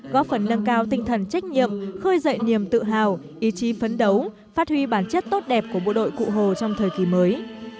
góp phần nâng cao tinh thần trách nhiệm khơi dậy niềm tự hào ý chí phấn đấu phát huy bản chất tốt đẹp của bộ đội cụ hồ trong thời kỳ mới